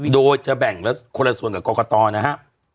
โดยจะแบ่งคนละส่วนกับกรกตนะฮะ